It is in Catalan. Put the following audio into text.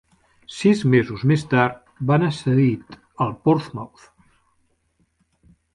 Sis mesos més tard, va anar cedit al Portsmouth.